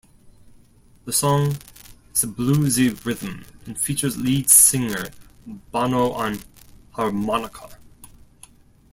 The song has a bluesy rhythm and features lead singer Bono on harmonica.